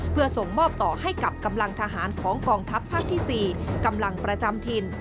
เพื่อส่งมอบต่อให้กับกำลังทหารของกองทัพภาคที่๔กำลังประจำถิ่น